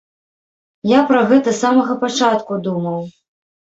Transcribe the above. Я пра гэта з самага пачатку думаў.